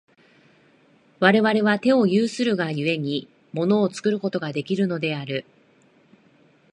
我々は手を有するが故に、物を作ることができるのである。